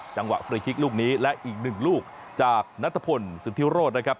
จังหวะฟรีคลิกลูกนี้และอีกหนึ่งลูกจากนัทพลสุธิโรธนะครับ